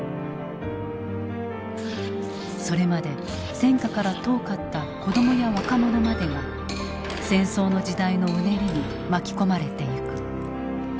それまで戦火から遠かった子供や若者までが戦争の時代のうねりに巻き込まれていく。